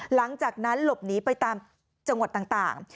หลังจากนั้นหลบหนีไปตามจังหวัดต่าง